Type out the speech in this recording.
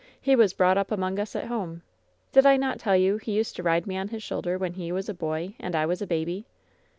He was brought up among us at home. Did I not tell you he used to ride me on his shoulder when he was a boy and I was a baby?"